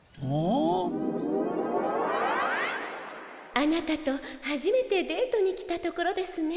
あなたとはじめてデートに来たところですね。